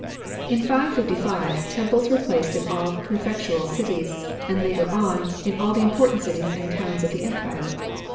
In 565 temples were placed in all prefectural cities ; and later on, in all the im portant cities and towns of the empire.